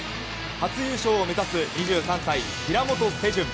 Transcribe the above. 初優勝を目指す２３歳、平本世中。